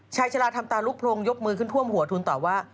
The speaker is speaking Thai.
ชาลาทำตาลูกโพรงยกมือขึ้นท่วมหัวทุนตอบว่า